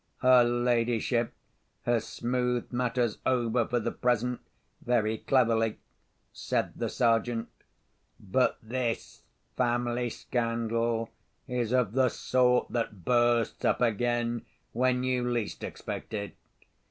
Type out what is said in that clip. "Her ladyship has smoothed matters over for the present very cleverly," said the Sergeant. "But this family scandal is of the sort that bursts up again when you least expect it.